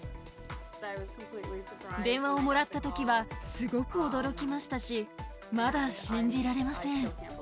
電話をもらったときは、すごく驚きましたし、まだ信じられません。